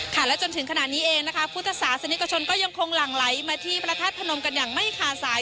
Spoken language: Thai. และจนถึงขณะนี้เองนะคะพุทธศาสนิกชนก็ยังคงหลั่งไหลมาที่พระธาตุพนมกันอย่างไม่ขาดสาย